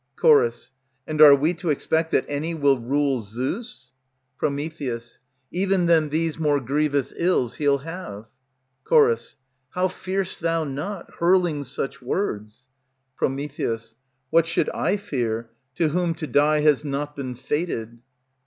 Ch. And are we to expect that any will rule Zeus? Pr. Even than these more grievous ills he'll have. Ch. How fear'st thou not, hurling such words? Pr. What should I fear, to whom to die has not been fated?